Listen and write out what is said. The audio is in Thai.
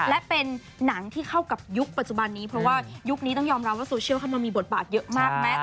และเป็นหนังที่เข้ากับยุคปัจจุบันนี้เพราะว่ายุคนี้ต้องยอมรับว่าโซเชียลเข้ามามีบทบาทเยอะมากไหม